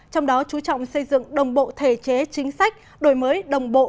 trong đó chú trọng xây dựng đồng bộ thể chế chính sách đổi mới đồng bộ